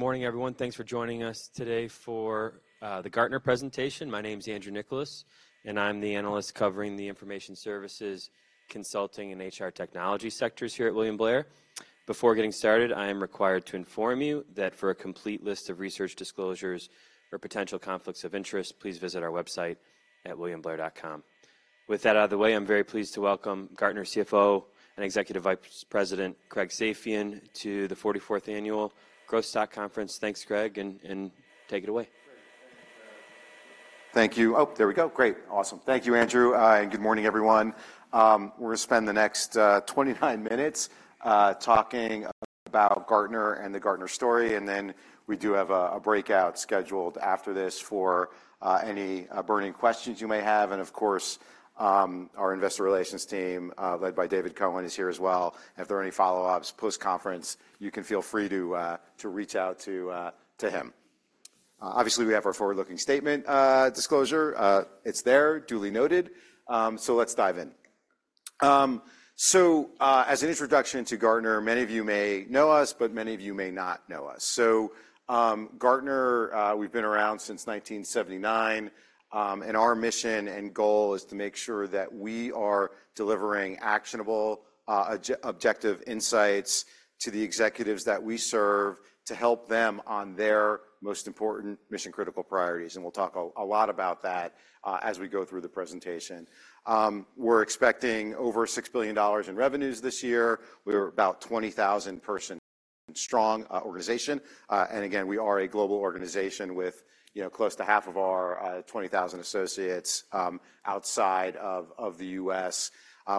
Good morning, everyone. Thanks for joining us today for the Gartner presentation. My name is Andrew Nicholas, and I'm the analyst covering the information services, consulting, and HR technology sectors here at William Blair. Before getting started, I am required to inform you that for a complete list of research disclosures or potential conflicts of interest, please visit our website at williamblair.com. With that out of the way, I'm very pleased to welcome Gartner CFO and Executive Vice President Craig Safian to the 44th Annual Growth Stock Conference. Thanks, Craig, and take it away. Thank you. Oh, there we go. Great. Awesome. Thank you, Andrew, and good morning, everyone. We're going to spend the next 29 minutes talking about Gartner and the Gartner story, and then we do have a breakout scheduled after this for any burning questions you may have. And of course, our investor relations team, led by David Cohen, is here as well. If there are any follow-ups post-conference, you can feel free to reach out to him. Obviously, we have our forward-looking statement disclosure. It's there, duly noted. So let's dive in. As an introduction to Gartner, many of you may know us, but many of you may not know us. Gartner, we've been around since 1979, and our mission and goal is to make sure that we are delivering actionable, objective insights to the executives that we serve to help them on their most important mission-critical priorities. And we'll talk a lot about that as we go through the presentation. We're expecting over $6 billion in revenues this year. We're about 20,000-person-strong organization. And again, we are a global organization with, you know, close to half of our 20,000 associates outside of the U.S.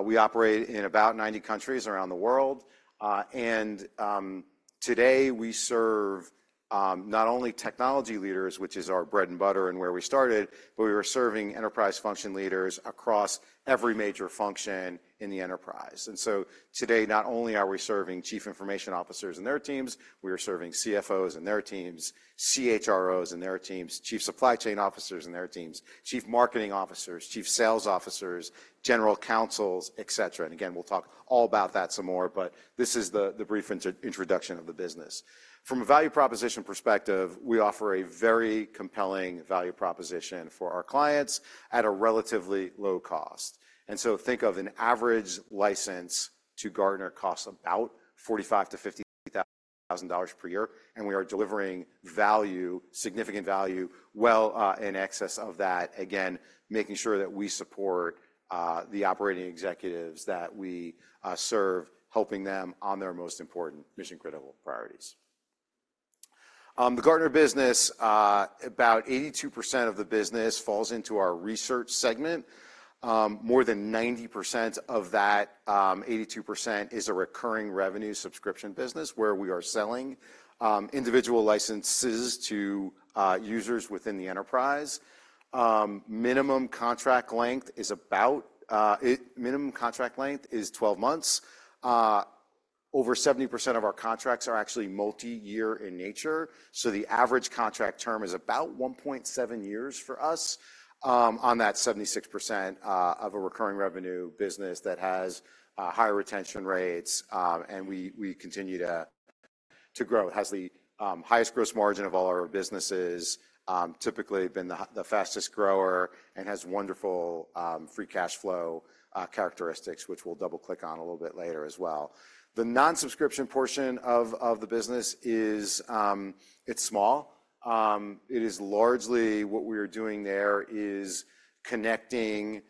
We operate in about 90 countries around the world. And today, we serve not only technology leaders, which is our bread and butter and where we started, but we are serving enterprise function leaders across every major function in the enterprise. And so today, not only are we serving Chief Information Officers and their teams, we are serving CFOs and their teams, CHROs and their teams, Chief Supply Chain Officers and their teams, Chief Marketing Officers, Chief Sales Officers, General Counsels, et cetera. And again, we'll talk all about that some more, but this is the brief introduction of the business. From a value proposition perspective, we offer a very compelling value proposition for our clients at a relatively low cost. And so think of an average license to Gartner costs about $45,000-$50,000 per year, and we are delivering value, significant value, well, in excess of that. Again, making sure that we support the operating executives that we serve, helping them on their most important mission-critical priorities. The Gartner business, about 82% of the business falls into our research segment. More than 90% of that 82% is a recurring revenue subscription business, where we are selling individual licenses to users within the enterprise. Minimum contract length is 12 months. Over 70% of our contracts are actually multiyear in nature, so the average contract term is about 1.7 years for us, on that 76% of a recurring revenue business that has high retention rates, and we continue to grow. It has the highest gross margin of all our businesses, typically been the fastest grower, and has wonderful free cash flow characteristics, which we'll double-click on a little bit later as well. The non-subscription portion of the business is. It's small. It is largely what we are doing there is connecting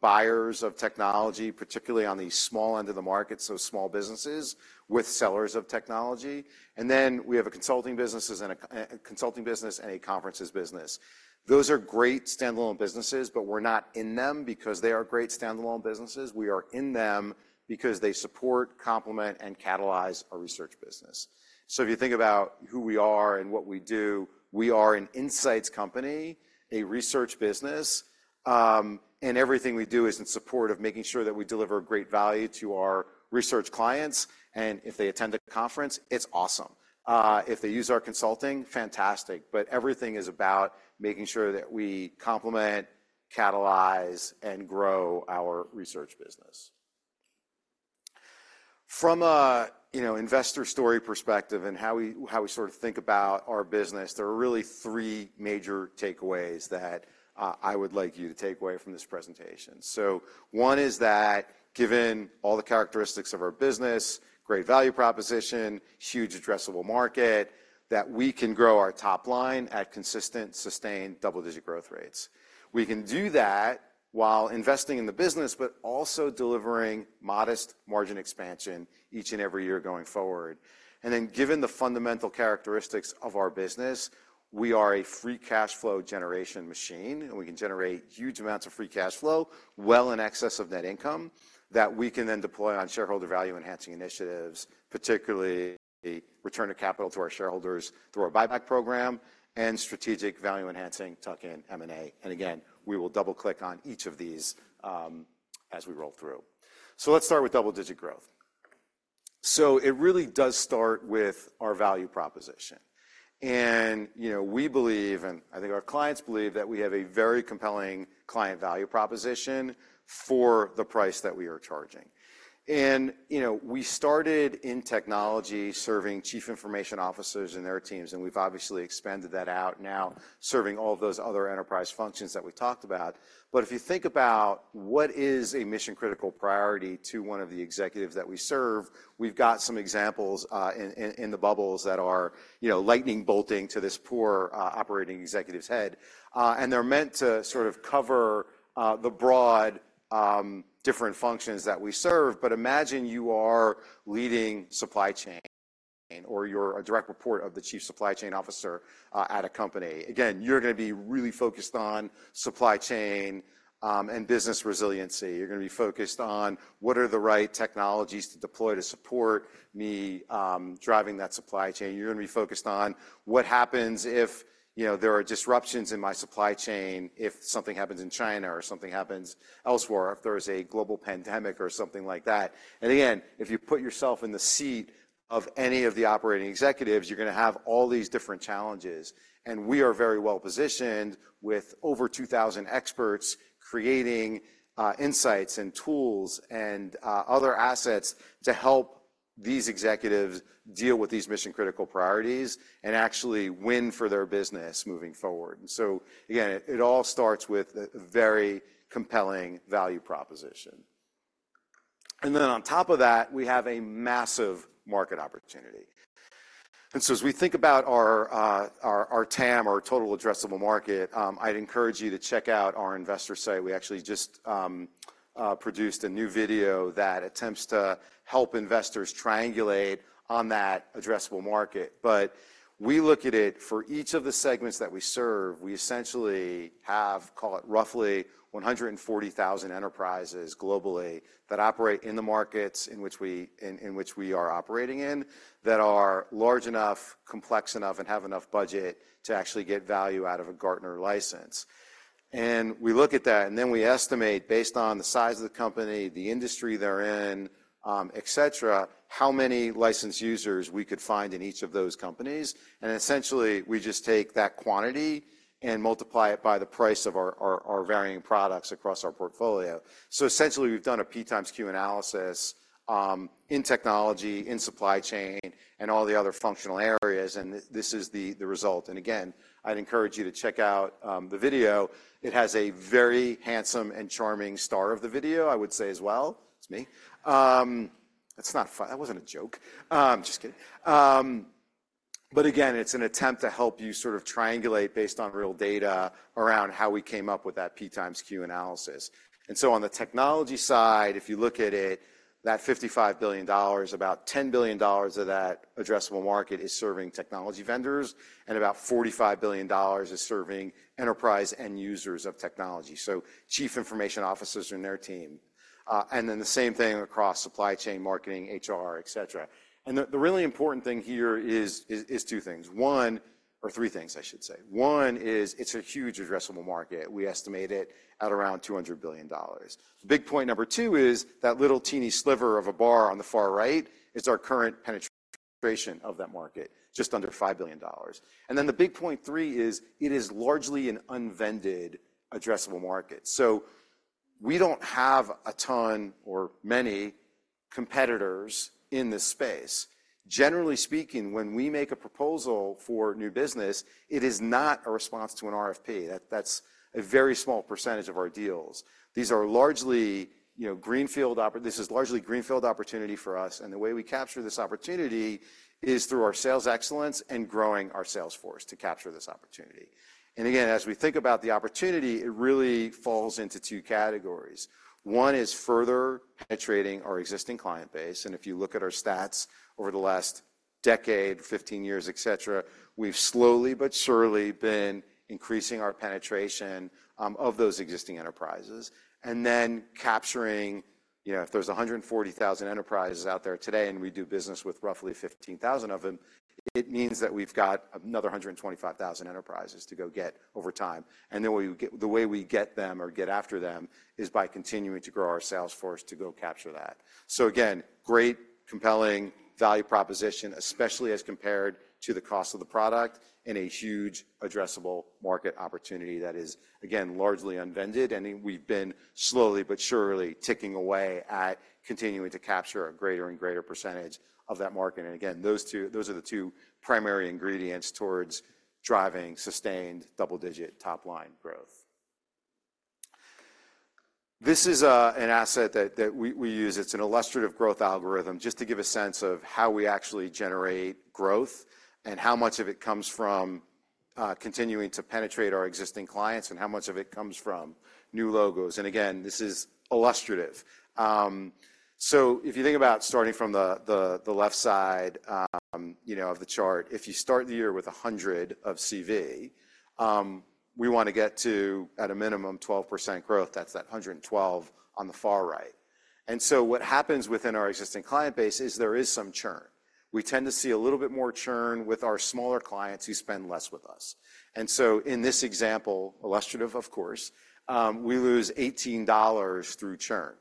buyers of technology, particularly on the small end of the market, so small businesses, with sellers of technology. And then we have a consulting business and a conferences business. Those are great standalone businesses, but we're not in them because they are great standalone businesses. We are in them because they support, complement, and catalyze our research business. So if you think about who we are and what we do, we are an insights company, a research business, and everything we do is in support of making sure that we deliver great value to our research clients, and if they attend a conference, it's awesome. If they use our consulting, fantastic. But everything is about making sure that we complement, catalyze, and grow our research business. From a, you know, investor story perspective and how we, how we sort of think about our business, there are really three major takeaways that, I would like you to take away from this presentation. So one is that given all the characteristics of our business, great value proposition, huge addressable market, that we can grow our top line at consistent, sustained double-digit growth rates. We can do that while investing in the business, but also delivering modest margin expansion each and every year going forward. And then, given the fundamental characteristics of our business, we are a free cash flow generation machine, and we can generate huge amounts of free cash flow well in excess of net income that we can then deploy on shareholder value-enhancing initiatives, particularly return of capital to our shareholders through our buyback program and strategic value-enhancing tuck-in M&A. And again, we will double-click on each of these, as we roll through. So let's start with double-digit growth. So it really does start with our value proposition... and, you know, we believe, and I think our clients believe, that we have a very compelling client value proposition for the price that we are charging. And, you know, we started in technology serving Chief Information Officers and their teams, and we've obviously expanded that out now, serving all of those other enterprise functions that we talked about. But if you think about what is a mission-critical priority to one of the executives that we serve, we've got some examples in the bubbles that are, you know, lightning bolting to this poor operating executive's head. And they're meant to sort of cover the broad different functions that we serve. But imagine you are leading supply chain or you're a direct report of the Chief Supply Chain Officer at a company. Again, you're gonna be really focused on supply chain and business resiliency. You're gonna be focused on what are the right technologies to deploy to support me driving that supply chain. You're gonna be focused on what happens if, you know, there are disruptions in my supply chain, if something happens in China or something happens elsewhere, if there is a global pandemic or something like that. And again, if you put yourself in the seat of any of the operating executives, you're gonna have all these different challenges, and we are very well positioned with over 2,000 experts creating insights and tools and other assets to help these executives deal with these mission-critical priorities and actually win for their business moving forward. So again, it all starts with a very compelling value proposition. And then on top of that, we have a massive market opportunity. And so as we think about our TAM, our total addressable market, I'd encourage you to check out our investor site. We actually just produced a new video that attempts to help investors triangulate on that addressable market. But we look at it for each of the segments that we serve, we essentially have, call it, roughly 140,000 enterprises globally that operate in the markets in which we are operating in, that are large enough, complex enough, and have enough budget to actually get value out of a Gartner license. We look at that, and then we estimate, based on the size of the company, the industry they're in, et cetera, how many licensed users we could find in each of those companies. Essentially, we just take that quantity and multiply it by the price of our varying products across our portfolio. So essentially, we've done a P x Q analysis in technology, in supply chain, and all the other functional areas, and this is the result. Again, I'd encourage you to check out the video. It has a very handsome and charming star of the video, I would say as well. It's me. That's not fu-- That wasn't a joke. Just kidding. But again, it's an attempt to help you sort of triangulate based on real data around how we came up with that P x Q analysis. And so on the technology side, if you look at it, that $55 billion, about $10 billion of that addressable market is serving technology vendors, and about $45 billion is serving enterprise end users of technology, so chief information officers and their team. And then the same thing across supply chain, marketing, HR, et cetera. And the really important thing here is two things. One... Or three things, I should say. One is it's a huge addressable market. We estimate it at around $200 billion. Big point number two is that little teeny sliver of a bar on the far right is our current penetration of that market, just under $5 billion. And then the big point three is it is largely an unpenetrated addressable market. So we don't have a ton or many competitors in this space. Generally speaking, when we make a proposal for new business, it is not a response to an RFP. That's a very small percentage of our deals. These are largely, you know, greenfield opportunity for us, and the way we capture this opportunity is through our sales excellence and growing our sales force to capture this opportunity. And again, as we think about the opportunity, it really falls into two categories. One is further penetrating our existing client base, and if you look at our stats over the last decade, 15 years, et cetera, we've slowly but surely been increasing our penetration of those existing enterprises. And then capturing, you know, if there's 140,000 enterprises out there today, and we do business with roughly 15,000 of them, it means that we've got another 125,000 enterprises to go get over time. And then we, the way we get them or get after them is by continuing to grow our sales force to go capture that. So again, great compelling value proposition, especially as compared to the cost of the product, and a huge addressable market opportunity that is, again, largely unpenetrated, and we've been slowly but surely ticking away at continuing to capture a greater and greater percentage of that market. And again, those two are the two primary ingredients towards driving sustained double-digit top-line growth. This is an asset that we use. It's an illustrative growth algorithm, just to give a sense of how we actually generate growth and how much of it comes from continuing to penetrate our existing clients and how much of it comes from new logos. And again, this is illustrative. So if you think about starting from the left side, you know, of the chart, if you start the year with 100 of CV, we want to get to, at a minimum, 12% growth. That's 112 on the far right. And so what happens within our existing client base is there is some churn. We tend to see a little bit more churn with our smaller clients who spend less with us. So in this example, illustrative, of course, we lose $18 through churn.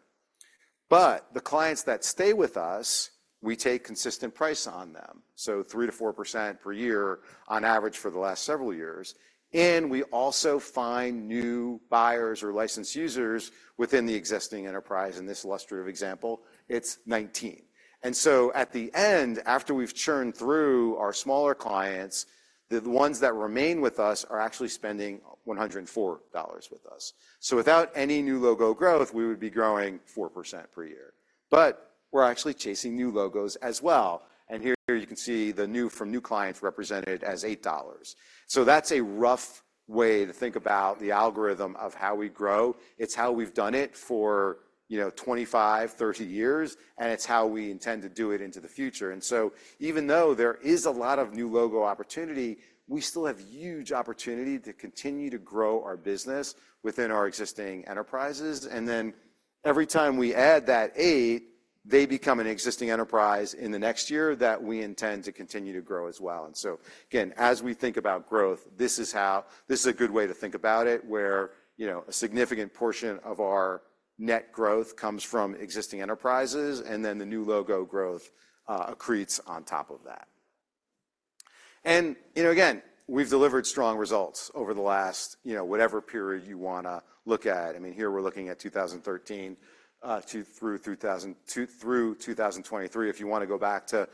But the clients that stay with us, we take consistent price on them, so 3%-4% per year on average for the last several years. And we also find new buyers or licensed users within the existing enterprise. In this illustrative example, it's 19. And so at the end, after we've churned through our smaller clients, the ones that remain with us are actually spending $104 with us. So without any new logo growth, we would be growing 4% per year, but we're actually chasing new logos as well. And here you can see the new from new clients represented as $8. So that's a rough way to think about the algorithm of how we grow. It's how we've done it for, you know, 25, 30 years, and it's how we intend to do it into the future. And so even though there is a lot of new logo opportunity, we still have huge opportunity to continue to grow our business within our existing enterprises. And then every time we add that eight, they become an existing enterprise in the next year that we intend to continue to grow as well. And so again, as we think about growth, this is how this is a good way to think about it, where, you know, a significant portion of our net growth comes from existing enterprises, and then the new logo growth accretes on top of that. You know, again, we've delivered strong results over the last, you know, whatever period you wanna look at. I mean, here we're looking at 2013 through 2023. If you want to go back to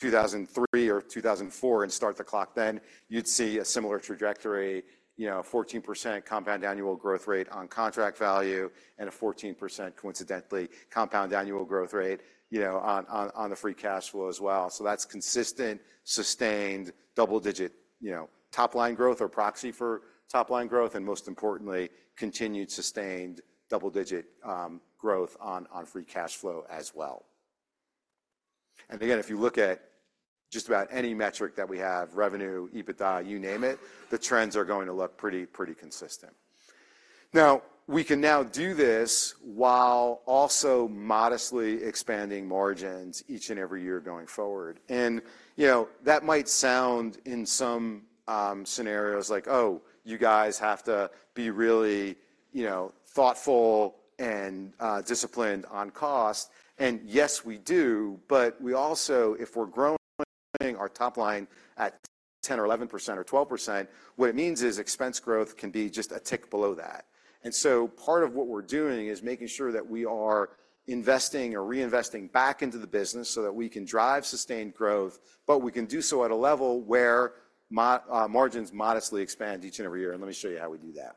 2003 or 2004 and start the clock, then you'd see a similar trajectory, you know, 14% compound annual growth rate on contract value and a 14%, coincidentally, compound annual growth rate, you know, on the free cash flow as well. So that's consistent, sustained, double-digit, you know, top-line growth or proxy for top-line growth, and most importantly, continued sustained double-digit growth on free cash flow as well. And again, if you look at just about any metric that we have, revenue, EBITDA, you name it, the trends are going to look pretty, pretty consistent. Now, we can now do this while also modestly expanding margins each and every year going forward. And, you know, that might sound in some scenarios like, "Oh, you guys have to be really, you know, thoughtful and disciplined on cost." And yes, we do, but we also, if we're growing our top line at 10% or 11% or 12%, what it means is expense growth can be just a tick below that. And so part of what we're doing is making sure that we are investing or reinvesting back into the business so that we can drive sustained growth, but we can do so at a level where margins modestly expand each and every year. Let me show you how we do that.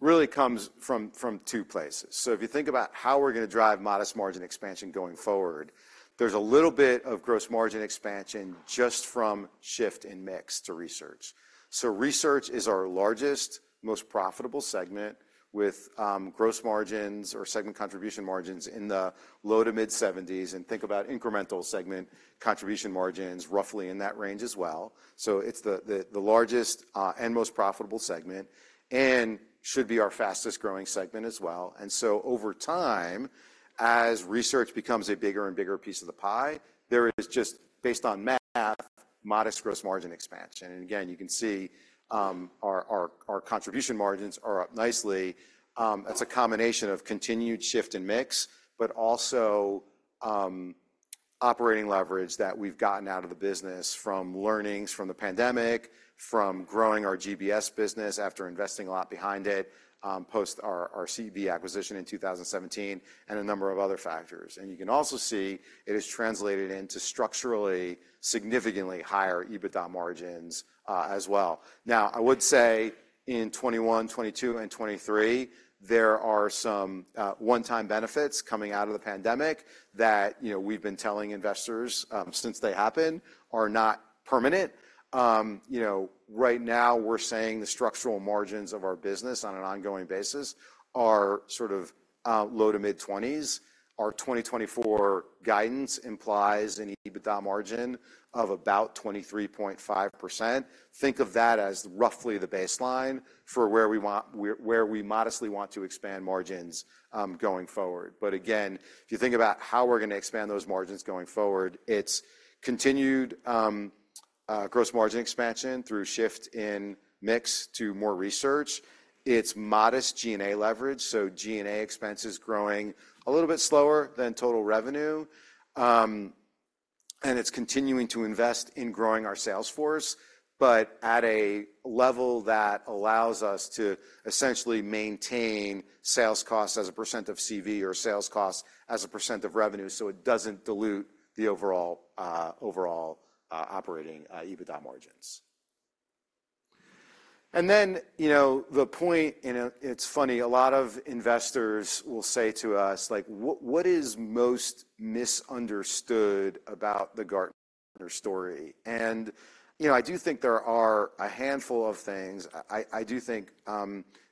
Really comes from two places. So if you think about how we're going to drive modest margin expansion going forward, there's a little bit of gross margin expansion just from shift in mix to research. So research is our largest, most profitable segment with gross margins or segment contribution margins in the low to mid-70s. And think about incremental segment contribution margins roughly in that range as well. So it's the largest and most profitable segment and should be our fastest-growing segment as well. And so over time, as research becomes a bigger and bigger piece of the pie, there is just based on math, modest gross margin expansion. And again, you can see our contribution margins are up nicely. That's a combination of continued shift in mix, but also, operating leverage that we've gotten out of the business from learnings from the pandemic, from growing our GBS business after investing a lot behind it, post our CV acquisition in 2017, and a number of other factors. You can also see it has translated into structurally, significantly higher EBITDA margins, as well. Now, I would say in 2021, 2022, and 2023, there are some one-time benefits coming out of the pandemic that, you know, we've been telling investors since they happened, are not permanent. You know, right now, we're saying the structural margins of our business on an ongoing basis are sort of low- to mid-20s. Our 2024 guidance implies an EBITDA margin of about 23.5%. Think of that as roughly the baseline for where we want—where we modestly want to expand margins, going forward. But again, if you think about how we're going to expand those margins going forward, it's continued gross margin expansion through shift in mix to more research. It's modest G&A leverage, so G&A expenses growing a little bit slower than total revenue. And it's continuing to invest in growing our sales force, but at a level that allows us to essentially maintain sales costs as a percent of CV or sales costs as a percent of revenue, so it doesn't dilute the overall overall operating EBITDA margins. And then, you know, the point, and, it's funny, a lot of investors will say to us, like: "What, what is most misunderstood about the Gartner story?" And, you know, I do think there are a handful of things. I do think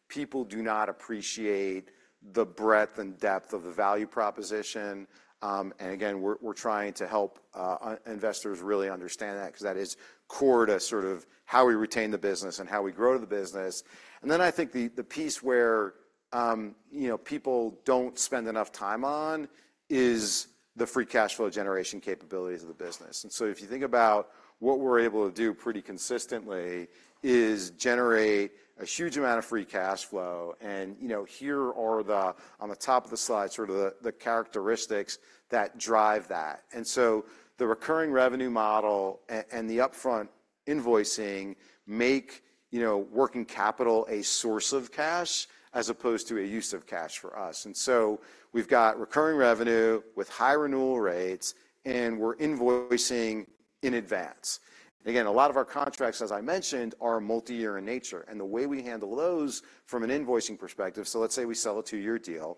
people do not appreciate the breadth and depth of the value proposition. And again, we're trying to help investors really understand that because that is core to sort of how we retain the business and how we grow the business. And then I think the piece where, you know, people don't spend enough time on is the free cash flow generation capabilities of the business. And so if you think about what we're able to do pretty consistently is generate a huge amount of free cash flow. ou know, here are the, on the top of the slide, sort of the characteristics that drive that. So the recurring revenue model and the upfront invoicing make, you know, working capital a source of cash as opposed to a use of cash for us. So we've got recurring revenue with high renewal rates, and we're invoicing in advance. Again, a lot of our contracts, as I mentioned, are multi-year in nature, and the way we handle those from an invoicing perspective, so let's say we sell a 2-year deal,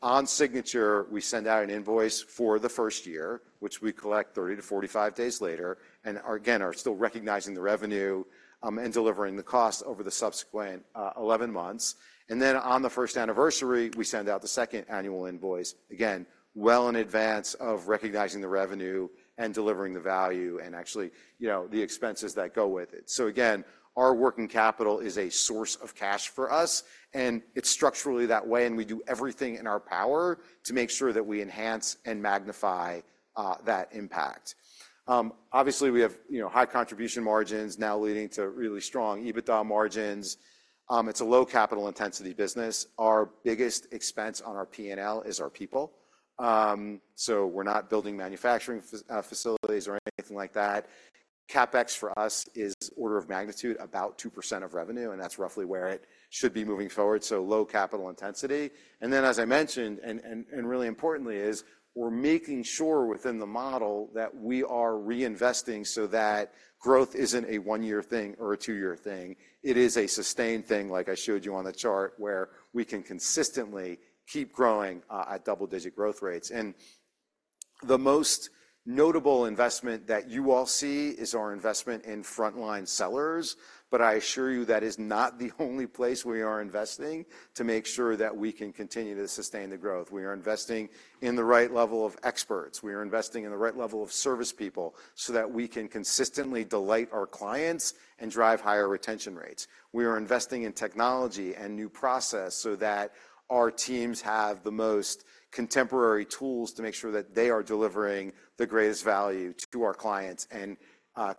on signature, we send out an invoice for the first year, which we collect 30-45 days later, and are again still recognizing the revenue and delivering the cost over the subsequent 11 months. And then on the first anniversary, we send out the second annual invoice, again, well in advance of recognizing the revenue and delivering the value and actually, you know, the expenses that go with it. So again, our working capital is a source of cash for us, and it's structurally that way, and we do everything in our power to make sure that we enhance and magnify that impact. Obviously, we have, you know, high contribution margins now leading to really strong EBITDA margins. It's a low capital intensity business. Our biggest expense on our P&L is our people. So we're not building manufacturing facilities or anything like that. CapEx for us is order of magnitude, about 2% of revenue, and that's roughly where it should be moving forward, so low capital intensity. And then, as I mentioned, really importantly is, we're making sure within the model that we are reinvesting so that growth isn't a one-year thing or a two-year thing. It is a sustained thing, like I showed you on the chart, where we can consistently keep growing at double-digit growth rates. And the most notable investment that you all see is our investment in frontline sellers, but I assure you, that is not the only place we are investing to make sure that we can continue to sustain the growth. We are investing in the right level of experts. We are investing in the right level of service people so that we can consistently delight our clients and drive higher retention rates. We are investing in technology and new process so that our teams have the most contemporary tools to make sure that they are delivering the greatest value to our clients and,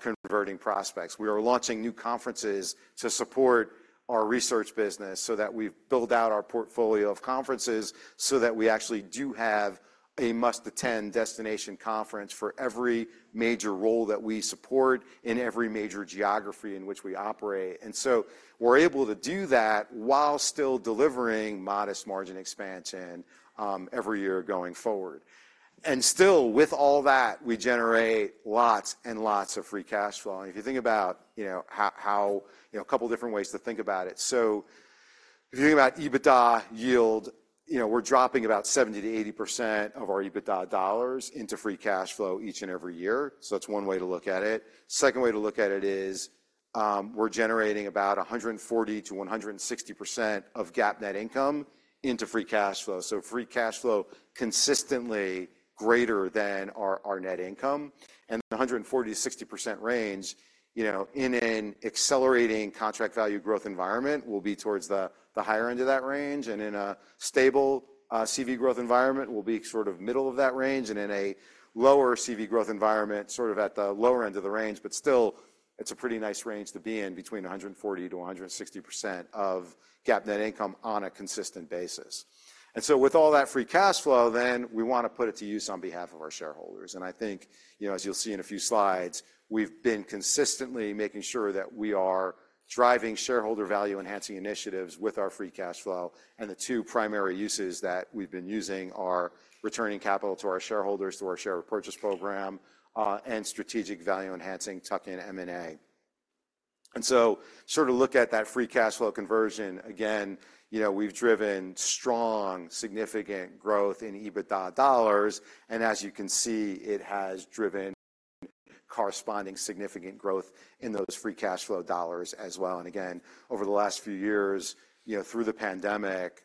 converting prospects. We are launching new conferences to support our research business so that we build out our portfolio of conferences, so that we actually do have a must-attend destination conference for every major role that we support in every major geography in which we operate. And so we're able to do that while still delivering modest margin expansion, every year going forward. And still, with all that, we generate lots and lots of free cash flow. And if you think about, you know, you know, a couple different ways to think about it. So if you think about EBITDA yield, you know, we're dropping about 70%-80% of our EBITDA dollars into free cash flow each and every year. So that's one way to look at it. Second way to look at it is, we're generating about 140%-160% of GAAP net income into free cash flow. So free cash flow consistently greater than our, our net income, and the 140%-160% range, you know, in an accelerating contract value growth environment, will be towards the, the higher end of that range, and in a stable, CV growth environment, will be sort of middle of that range, and in a lower CV growth environment, sort of at the lower end of the range. But still, it's a pretty nice range to be in, between 140%-160% of GAAP net income on a consistent basis. And so with all that free cash flow, then we want to put it to use on behalf of our shareholders. And I think, you know, as you'll see in a few slides, we've been consistently making sure that we are driving shareholder value-enhancing initiatives with our free cash flow, and the two primary uses that we've been using are returning capital to our shareholders, through our share repurchase program, and strategic value-enhancing tuck-in M&A. And so to sort of look at that free cash flow conversion, again, you know, we've driven strong, significant growth in EBITDA dollars, and as you can see, it has driven corresponding significant growth in those free cash flow dollars as well. And again, over the last few years, you know, through the pandemic,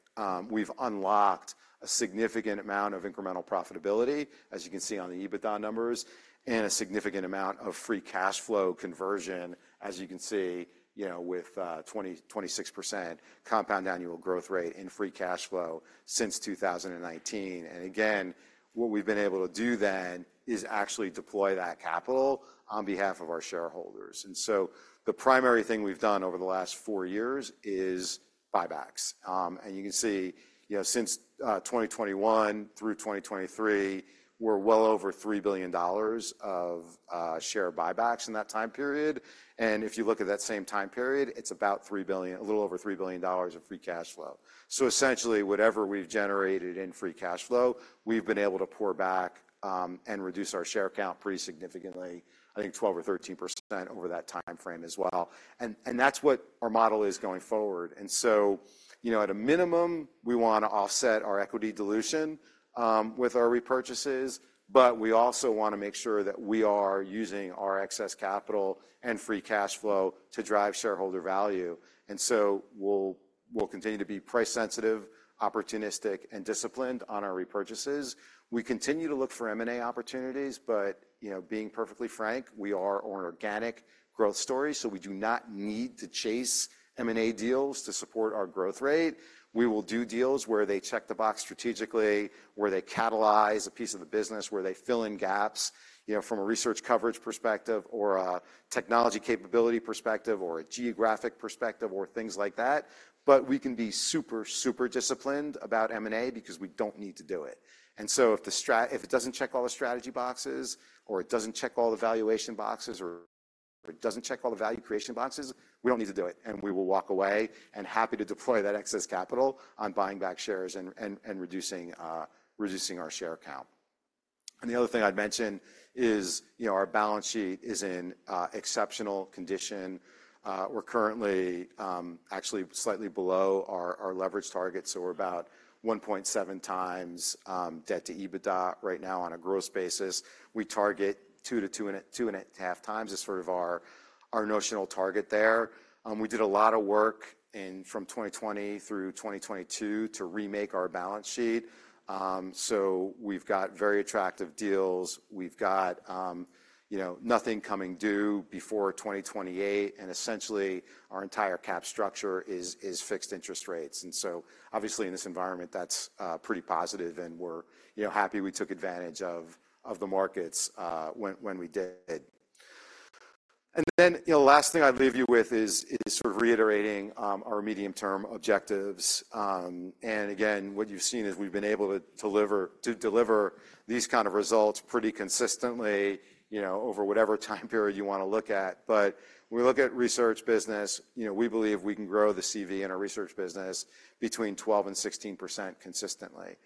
we've unlocked a significant amount of incremental profitability, as you can see on the EBITDA numbers, and a significant amount of free cash flow conversion, as you can see, you know, with 26% compound annual growth rate in free cash flow since 2019. And again, what we've been able to do then is actually deploy that capital on behalf of our shareholders. And so the primary thing we've done over the last four years is buybacks. And you can see, you know, since 2021 through 2023, we're well over $3 billion of share buybacks in that time period. And if you look at that same time period, it's about $3 billion, a little over $3 billion of free cash flow. So essentially, whatever we've generated in free cash flow, we've been able to pour back and reduce our share count pretty significantly, I think 12 or 13% over that timeframe as well. And that's what our model is going forward. And so, you know, at a minimum, we want to offset our equity dilution with our repurchases, but we also want to make sure that we are using our excess capital and free cash flow to drive shareholder value. And so we'll continue to be price sensitive, opportunistic, and disciplined on our repurchases. We continue to look for M&A opportunities, but, you know, being perfectly frank, we are an organic growth story, so we do not need to chase M&A deals to support our growth rate. We will do deals where they check the box strategically, where they catalyze a piece of the business, where they fill in gaps, you know, from a research coverage perspective or a technology capability perspective or a geographic perspective or things like that. But we can be super, super disciplined about M&A because we don't need to do it. And so if it doesn't check all the strategy boxes or it doesn't check all the valuation boxes or if it doesn't check all the value creation boxes, we don't need to do it, and we will walk away and happy to deploy that excess capital on buying back shares and, and, and reducing, reducing our share count. And the other thing I'd mention is, you know, our balance sheet is in exceptional condition. We're currently actually slightly below our leverage target, so we're about 1.7x debt to EBITDA right now on a gross basis. We target 2x-2.5x as sort of our notional target there. We did a lot of work from 2020 through 2022 to remake our balance sheet. So we've got very attractive deals. We've got you know nothing coming due before 2028, and essentially our entire capital structure is fixed interest rates. So obviously in this environment that's pretty positive, and we're you know happy we took advantage of the markets when we did. Then you know last thing I'd leave you with is sort of reiterating our medium-term objectives. And again, what you've seen is we've been able to deliver to deliver these kind of results pretty consistently, you know, over whatever time period you wanna look at. But when we look at research business, you know, we believe we can grow the CV in our research business between 12% and 16% consistently.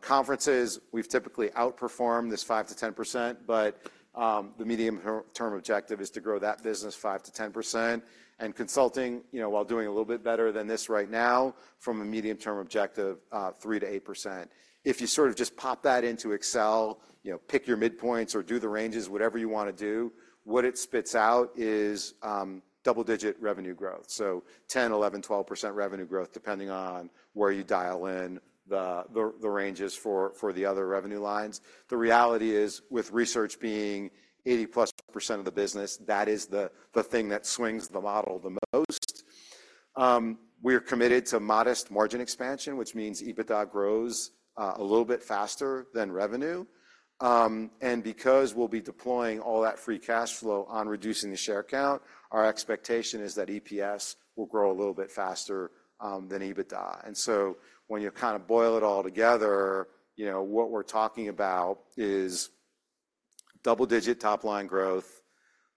Conferences, we've typically outperformed this 5%-10%, but the medium-term objective is to grow that business 5%-10%. And consulting, you know, while doing a little bit better than this right now, from a medium-term objective, 3%-8%. If you sort of just pop that into Excel, you know, pick your midpoints or do the ranges, whatever you wanna do, what it spits out is double-digit revenue growth. So 10%, 11%, 12% revenue growth, depending on where you dial in the ranges for the other revenue lines. The reality is, with research being 80%+ of the business, that is the thing that swings the model the most. We are committed to modest margin expansion, which means EBITDA grows a little bit faster than revenue. And because we'll be deploying all that free cash flow on reducing the share count, our expectation is that EPS will grow a little bit faster than EBITDA. And so when you kind of boil it all together, you know, what we're talking about is double-digit top-line growth,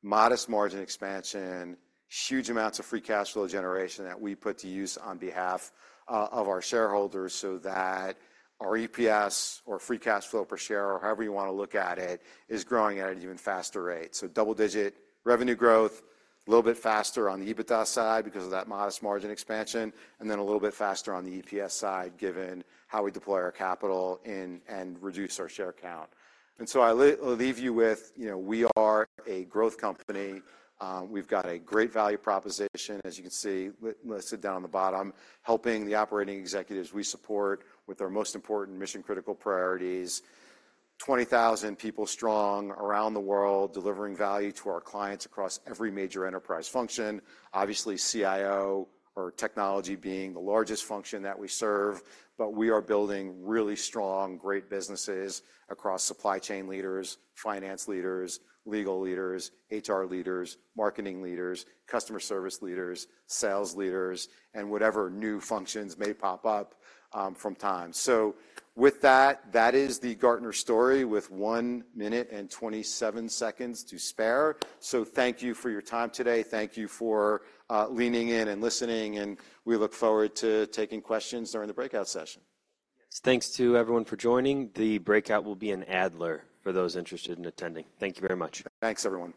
modest margin expansion, huge amounts of free cash flow generation that we put to use on behalf of our shareholders so that our EPS or free cash flow per share, or however you wanna look at it, is growing at an even faster rate. So double-digit revenue growth, a little bit faster on the EBITDA side because of that modest margin expansion, and then a little bit faster on the EPS side, given how we deploy our capital and reduce our share count. And so I leave you with, you know, we are a growth company. We've got a great value proposition, as you can see, listed down on the bottom, helping the operating executives we support with our most important mission-critical priorities. 20,000 people strong around the world, delivering value to our clients across every major enterprise function. Obviously, CIO or technology being the largest function that we serve, but we are building really strong, great businesses across supply chain leaders, finance leaders, legal leaders, HR leaders, marketing leaders, customer service leaders, sales leaders, and whatever new functions may pop up from time. So with that, that is the Gartner story, with one minute and 27 seconds to spare. So thank you for your time today. Thank you for leaning in and listening, and we look forward to taking questions during the breakout session. Thanks to everyone for joining. The breakout will be in Adler for those interested in attending. Thank you very much. Thanks, everyone.